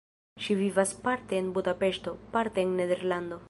Ŝi vivas parte en Budapeŝto, parte en Nederlando.